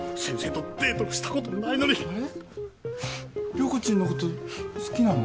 涼子ちんのこと好きなの？